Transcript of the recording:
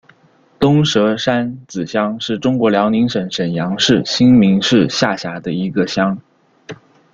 东蛇山子乡是中国辽宁省沈阳市新民市下辖的一个乡。